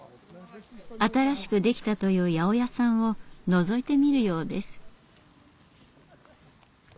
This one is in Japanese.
新しくできたという八百屋さんをのぞいてみるようです。